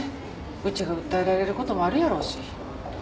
うちが訴えられることもあるやろうし。